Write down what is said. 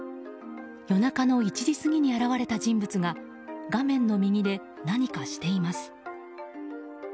夜中の１時過ぎに現れた人物が画面の右で何かしています。